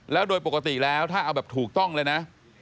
แล้วโดยปกติแล้วถ้าเอาแบบถูกต้องเลยนะ